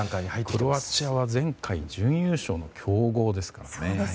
クロアチアは前回準優勝の強豪ですからね。